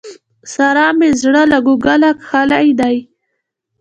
سارا مې زړه له کوګله کښلی دی.